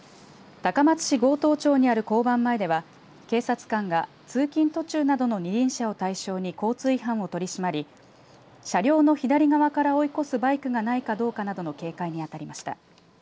高松市郷東町にある交番前では警察官が通勤途中などの二輪車を対象に交通違反を取締り車両の左側から追い越すバイクがないかどうかなどの警戒に当たりました。